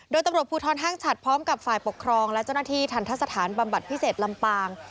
โดยตำรวจภูทรห้างฉัดพร้อมกับฝ่ายปกครองและเจ้าหน้าที่ทันทะสถานบำบัดพิเศษลำปาง